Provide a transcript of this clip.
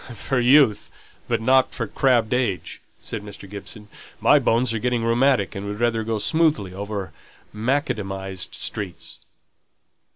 "For youth, but not for crabbed age," said Mr. Gibson. "My bones are getting rheumatic, and would rather go smoothly over macadamized streets."